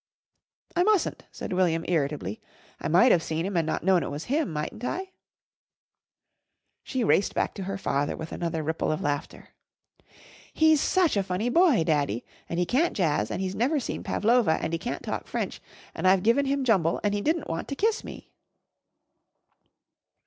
"I mustn't," said William irritably. "I might have seen him and not known it was him, mightn't I?" She raced back to her father with another ripple of laughter. "He's such a funny boy, Daddy, and he can't jazz and he's never seen Pavlova, and he can't talk French and I've given him Jumble and he didn't want to kiss me!"